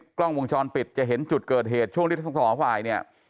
ในคลิปกล้องวงจรปิดจะเห็นจุดเกิดเหตุช่วงฤทธิสมศาสตร์ของฝ่ายเนี่ย